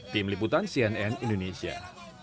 tim liputan cnn indonesia